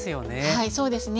はいそうですね。